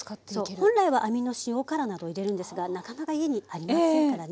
本来はアミの塩辛などを入れるんですがなかなか家にありませんからね。